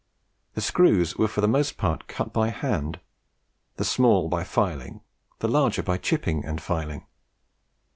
The screws were for the most part cut by hand: the small by filing, the larger by chipping and filing.